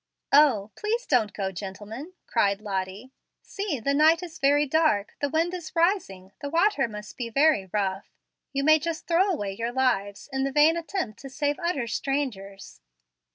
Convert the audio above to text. "O, please don't go, gentlemen!" cried Lottie. "See, the night is very dark; the wind is rising; the water must be very rough. You may just throw away your own lives in the vain attempt to save utter strangers."